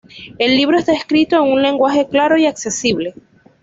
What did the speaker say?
El libro está escrito en un lenguaje claro y accesible.